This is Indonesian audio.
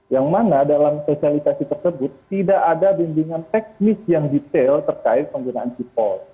yang mana dalam sosialisasi tersebut tidak ada bimbingan teknis yang detail terkait penggunaan sipol